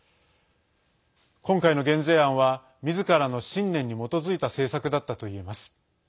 今回の減税案はみずからの信念に基づいた政策だったといえます。